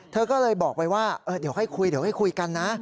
เธอก็เลยบอกไปว่าเดี๋ยวให้คุยกันนะ